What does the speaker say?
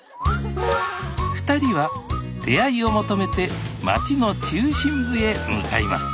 ２人は出会いを求めて町の中心部へ向かいます